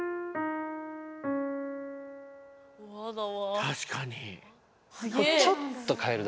確かに。